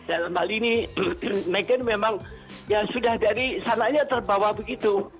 dan kali ini megan memang ya sudah dari sananya terbawa begitu